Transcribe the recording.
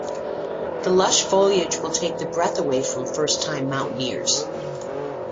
The lush foliage will take the breath away from first time mountaineers.